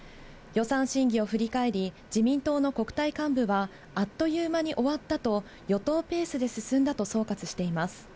予算審議を振り返り、自民党の国対幹部は、あっという間に終わったと、与党ペースで進んだと総括しています。